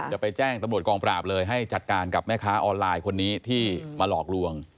จะไปแจ้งตำรวจกองปราบเลยให้จัดการกับแม่ค้าออนไลน์คนนี้ที่มาหลอกลวง